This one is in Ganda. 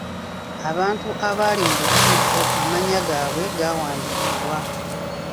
Abantu abaali mu lukiiko amannya g'abwe gawandiikibwa.